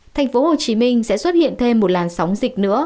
thành phố hồ chí minh sẽ xuất hiện thêm một làn sóng dịch nữa